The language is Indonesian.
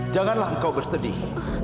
janganlah kau bersedih